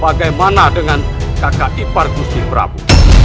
bagaimana dengan kakak ipar gusti prabu